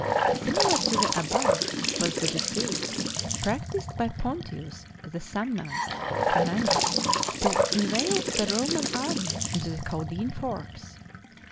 Similar to the above was the deceit practised by Pontius the Samnite commander to inveigle the Roman army into the Caudine Forks.